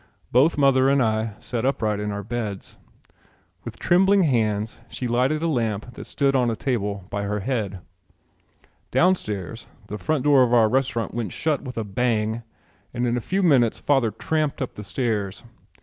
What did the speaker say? Both mother and I sat upright in our beds. With trembling hands she lighted a lamp that stood on a table by her head. Downstairs the front door of our restaurant went shut with a bang and in a few minutes father tramped up the stairs.